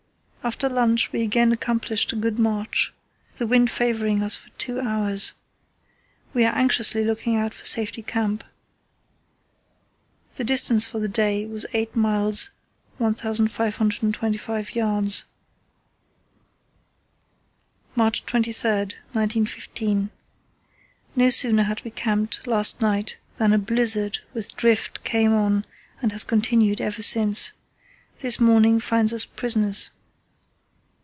After lunch we again accomplished a good march, the wind favouring us for two hours. We are anxiously looking out for Safety Camp." The distance for the day was 8 miles 1525 yds. "March 23, 1915.—No sooner had we camped last night than a blizzard with drift came on and has continued ever since. This morning finds us prisoners.